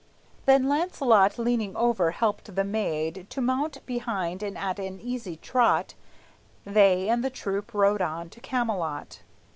Then Launcelot, leaning over helped the maid To mount behind and at an easy trot They and the troop rode on to Camelot.